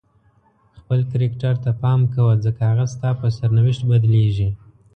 خپل کرکټر ته پام کوه ځکه هغه ستا په سرنوشت بدلیږي.